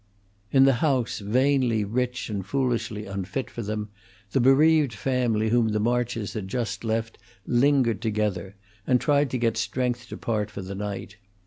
In the house, vainly rich and foolishly unfit for them, the bereaved family whom the Marches had just left lingered together, and tried to get strength to part for the night.